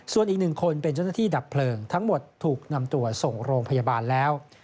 ส่วนอีก๑คนเป็นเจ้าหน้าที่ดับเพลิงทั้งหมดถูกนำตัวส่งโรงพยาบาลแล้ว